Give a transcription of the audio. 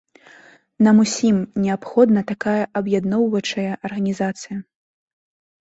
Нам усім неабходна такая аб'ядноўваючая арганізацыя.